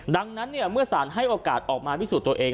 ดังนั้นเมื่อสารให้โอกาสออกมาพิสูจน์ตัวเอง